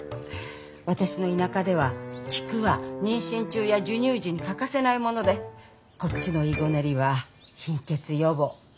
私の田舎では菊は妊娠中や授乳時に欠かせないものでこっちのいごねりは貧血予防。